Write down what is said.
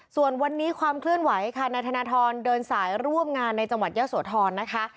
ส่วนวันนี้ความเคลื่อนไหวค่ะนายธนทรเดินสายร่วมงานในจังหวัดยะโสธรนะคะ